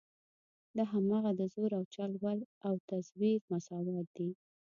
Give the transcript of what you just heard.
دا هماغه د زور او چل ول او تزویر مساوات دي.